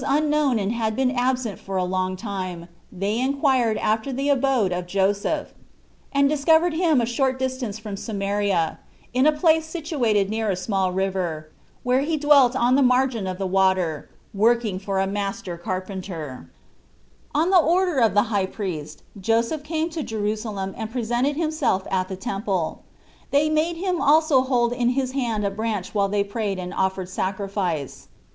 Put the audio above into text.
unknown and had been absent for a long time, they inquired after the abode of Joseph, and discovered him a short dis tance from Samaria, in a place situated near a small river, where he dwelt on the margin of the water, working for a master carpenter. 6 ZTbe 1Ratfv>ft of On the order of the High Priest Joseph came to Jerusalem and presented himself at the Temple. They made him also hold in his hand a branch while they prayed and offered sacrifice.